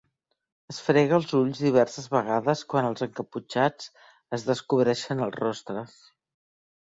Es frega els ulls diverses vegades quan els encaputxats es descobreixen els rostres.